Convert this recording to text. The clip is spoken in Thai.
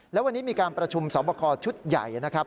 แล้ววันนี้มีการประชุมสอบคอชุดใหญ่นะครับ